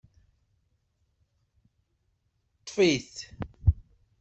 Ṭṭef-it!